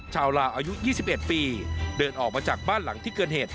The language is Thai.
ชาวลาวอายุ๒๑ปีเดินออกมาจากบ้านหลังที่เกิดเหตุ